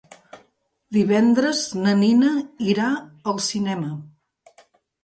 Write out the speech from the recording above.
Divendres na Nina irà al cinema.